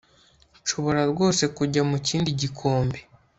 Nshobora rwose kujya mu kindi gikombe